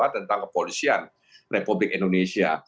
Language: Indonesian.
tentang kepolisian republik indonesia